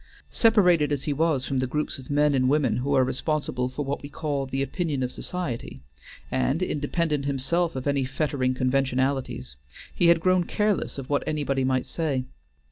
Separated as he was from the groups of men and women who are responsible for what we call the opinion of society, and independent himself of any fettering conventionalities, he had grown careless of what anybody might say.